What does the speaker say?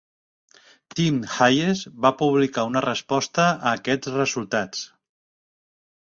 Tim Hayes va publicar una resposta a aquests resultats.